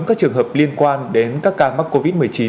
các trường hợp liên quan đến các ca mắc covid một mươi chín